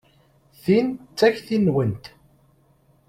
Tin d takti-nwent.